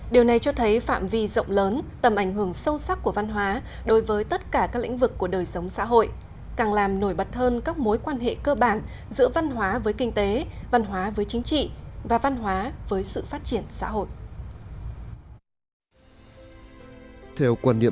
điều này cho thấy phạm vi rộng lớn tầm ảnh hưởng sâu sắc của văn hóa đối với tất cả các lĩnh vực của đời sống xã hội càng làm nổi bật hơn các mối quan hệ cơ bản giữa văn hóa với kinh tế văn hóa với chính trị và văn hóa với sự phát triển xã hội